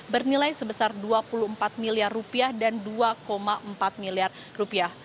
bernilai sebesar dua puluh empat miliar rupiah dan dua empat miliar rupiah